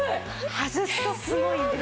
外すとすごいんです。